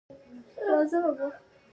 آیا سرعین د ګرمو اوبو مرکز نه دی؟